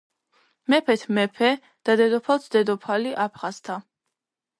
მეფეთ მეფე და დედოფალთ დედოფალი აფხაზთა